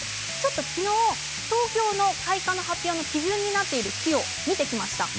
昨日、東京の開花の基準になっている木を見てきました。